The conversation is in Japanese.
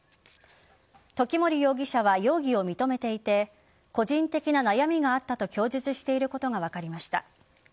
時森容疑者は容疑を認めていて個人的な悩みがあったと供述していることが分かりました。